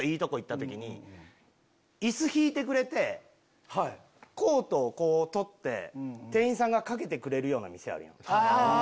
椅子引いてくれてコートを取って店員さんが掛けてくれるような店あるやん。